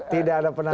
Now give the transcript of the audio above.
tidak ada penantang